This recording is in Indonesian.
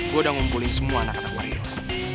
gue udah ngumpulin semua anak anak waria